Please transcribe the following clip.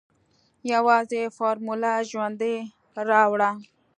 يوازې فارموله ژوندۍ راوړه.